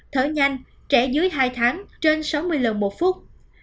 thở nhanh trẻ dưới hai tháng trên sáu mươi lần một phút